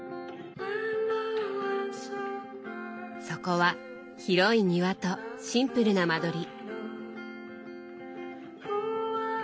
そこは広い庭とシンプルな間取り。